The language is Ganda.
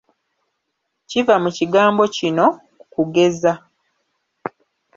Kiva mu kigambo kino: Kugeza.